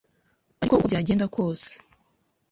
ariko uko byagenda kose,